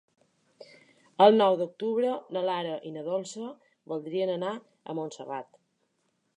El nou d'octubre na Lara i na Dolça voldrien anar a Montserrat.